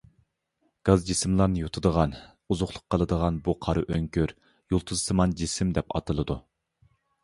گاز جىسىملارنى يۇتىدىغان( ئوزۇقلۇق قىلىدىغان) بۇ قارا ئۆڭكۈر يۇلتۇزسىمان جىسىم دەپ ئاتىلىدۇ.